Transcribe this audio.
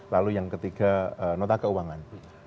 lalu yang ketiga nota keuangan